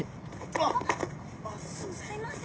あっすいません。